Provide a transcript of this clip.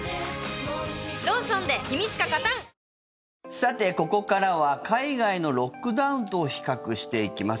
さて、ここからは海外のロックダウンと比較していきます。